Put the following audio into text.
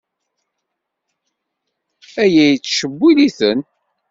Aya yettcewwil-iten.